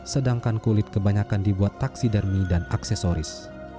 sedangkan kulit kebanyakan dibuat taksidermi dan aksesoris